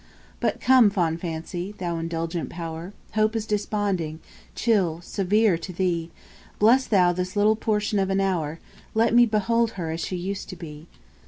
4. But come, fond Fancy, thou indulgent power; Hope is desponding, chill, severe, to thee: Bless thou this little portion of an hour; Let me behold her as she used to be.